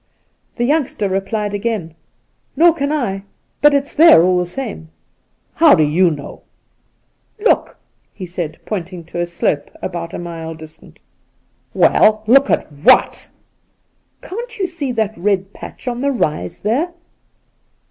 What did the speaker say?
The youngster replied again :' Nor can I, but it's there all the same.' ' How do you know ?'' Look,* he said, pointing to a slope about a mile distant. 'Well, look at what?' ' Can't you see that red patch on the rise there